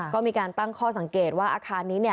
ก็มีการตั้งข้อสังเกตว่าอาคารนี้เนี่ย